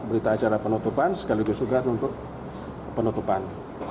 berita acara penutupan sekaligus juga untuk penutupan